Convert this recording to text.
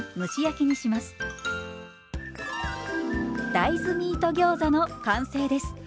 大豆ミートギョーザの完成です。